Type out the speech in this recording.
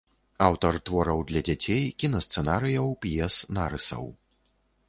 Аўтар твораў для дзяцей, кінасцэнарыяў, п'ес, нарысаў.